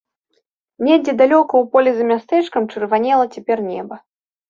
Недзе далёка ў полі за мястэчкам чырванела цяпер неба.